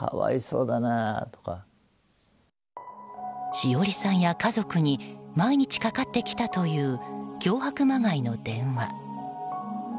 詩織さんや家族に毎日かかってきたという脅迫まがいの電話。